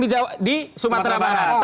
di sumatera barat